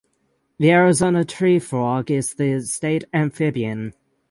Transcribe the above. The Arizona tree frog is the state amphibian.